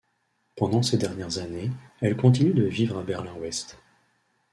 Pendant ses dernières années, elle continue de vivre à Berlin-Ouest.